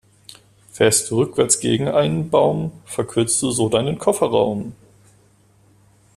Fährst du rückwärts gegen einen Baum, verkürzt du so deinen Kofferraum.